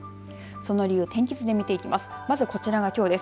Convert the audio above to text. その理由天気図で見ていきます。